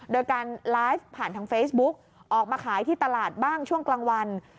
โดยการไลฟ์ผ่านทางเฟซบุ๊กออกมาขายที่ตลาดบ้างช่วงกลางวัน